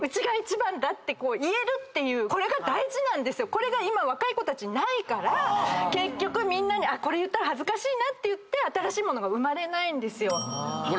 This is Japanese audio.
これが今若い子たちないから結局みんなにこれ言ったら恥ずかしいなっていって新しい物が生まれないんですよ。